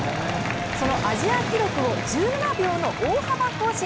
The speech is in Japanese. そのアジア記録を１７秒の大幅更新。